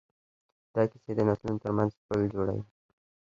دا کیسې د نسلونو ترمنځ پل جوړوي.